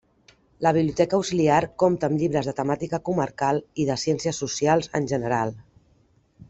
La biblioteca auxiliar compta amb llibres de temàtica comarcal i ciències socials en general.